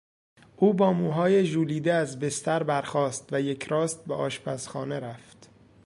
او با موهای ژولیده از بستر برخاست و یکراست به آشپزخانه رفت.